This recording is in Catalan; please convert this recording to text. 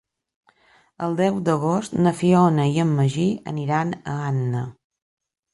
El deu d'agost na Fiona i en Magí aniran a Anna.